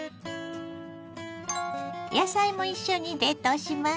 野菜も一緒に冷凍しましょ。